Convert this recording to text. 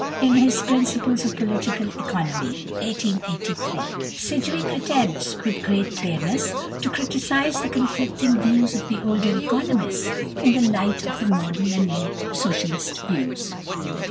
In his "Principles of Political Economy" (1883) Sidgwick attempts, with great clearness, to criticise the conflicting views of the older economists in the light of the modern and more socialist views.